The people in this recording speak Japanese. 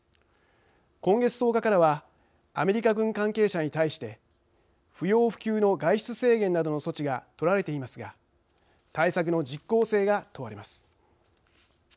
今月１０日からはアメリカ軍関係者に対して不要不急の外出制限などの措置が取られていますが対策の実効性が問われます。